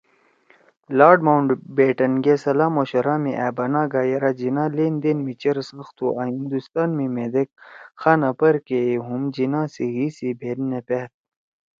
لارڈ ماؤنٹ بیٹن گے صلاح مشورہ می أ بنَا گا یرأ جناح لین دین می چیر سخت تُھو آں ”ہندوستان می مھیدیک خانا پرے یی ہُم جناح سی حی سی بھید نہ پأد“